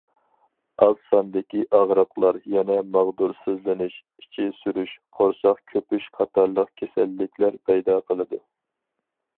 ئاز ساندىكى ئاغرىقلاردا يەنە ماغدۇرسىزلىنىش، ئىچى سۈرۈش، قورساق كۆپۈش قاتارلىق كېسەللىكلەر پەيدا قىلىدۇ.